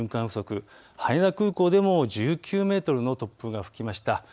風速、羽田空港でも１９メートルの突風が吹きました。